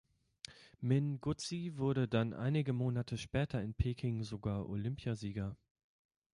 Minguzzi wurde dann einige Monate später in Peking sogar Olympiasieger.